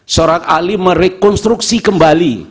seorang ahli merekonstruksi kembali